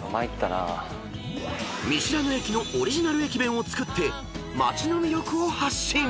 ［見知らぬ駅のオリジナル駅弁を作って街の魅力を発信！］